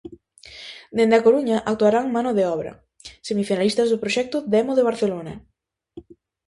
Dende A Coruña actuarán mano de obra, semifinalistas do proxecto demo de Barcelona.